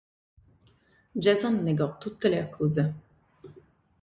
Jackson negò tutte le accuse.